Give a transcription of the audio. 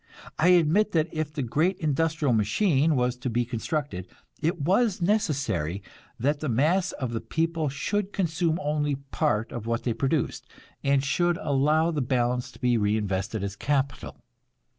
I admit that if the great industrial machine was to be constructed, it was necessary that the mass of the people should consume only part of what they produced, and should allow the balance to be reinvested as capital.